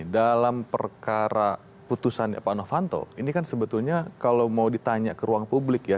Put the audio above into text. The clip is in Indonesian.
dalam perkara putusannya pak novanto ini kan sebetulnya kalau mau ditanya ke ruang publik ya